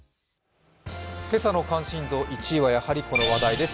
今朝の関心度１位はやはりこの話題です。